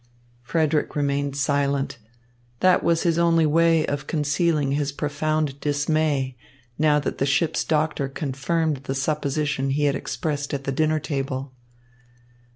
Frederick remained silent. That was his only way of concealing his profound dismay, now that the ship's doctor confirmed the supposition he had expressed at the dinner table.